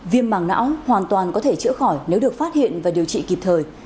viêm mảng não hoàn toàn có thể chữa khỏi nếu được phát hiện và điều trị kịp thời